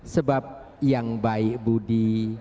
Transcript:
sebab yang baik budi